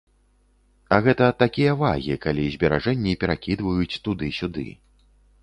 А гэта такія вагі, калі зберажэнні перакідваюць туды-сюды.